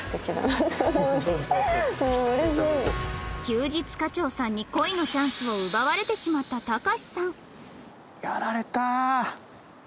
休日課長さんに恋のチャンスを奪われてしまったたかしさんやられたー！